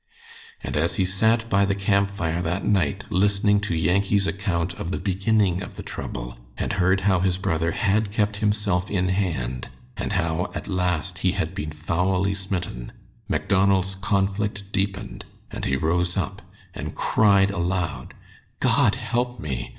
And as he sat by the camp fire that night listening to Yankee's account of the beginning of the trouble, and heard how his brother had kept himself in hand, and how at last he had been foully smitten, Macdonald's conflict deepened, and he rose up and cried aloud: "God help me!